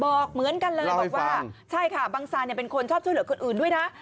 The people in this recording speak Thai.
บอกเหมือนกันเลยบอกว่าใช่ค่ะบังซานเป็นคนชอบช่วยเหลือคนอื่นด้วยนะ